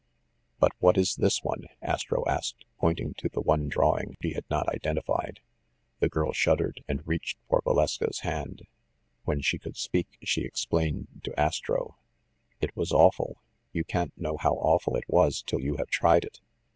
"But what is this one?" Astro asked, pointing to the one drawing he had not identified. NUMBER THIRTEEN 185 The girl shuddered, and reach for Valeska's hand. When she could speak, she explained to Astro. "It was awful, ‚ÄĒ you can't know how awful it was till you have tried it.